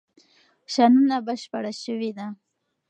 شننه بشپړه شوې ده.